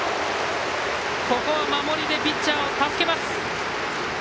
ここは守りでピッチャーを助けます。